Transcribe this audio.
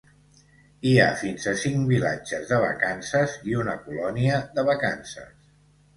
Hi ha fins a cinc vilatges de vacances i una colònia de vacances.